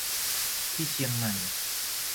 ที่เชียงใหม่